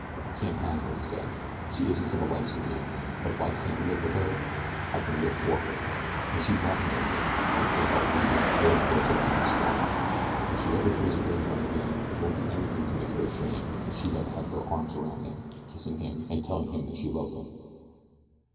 "I can't have her," he said. "She isn't for the likes of me; but if I can't live with her, I can live for her as she'd want me to live, and, s'help me, those words'll keep me straight. If she ever hears of Billy Byrne again it won't be anything to make her ashamed that she had her arms around him, kissing him, and telling him that she loved him."